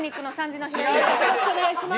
よろしくお願いします。